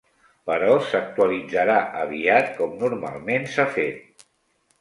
Però s'actualitzarà aviat com normalment s'ha fet.